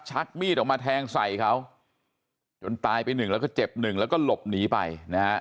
ชักมีดออกมาแทงใส่เขาจนตายไปหนึ่งแล้วก็เจ็บหนึ่งแล้วก็หลบหนีไปนะฮะ